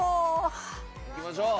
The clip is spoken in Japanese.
いきましょう！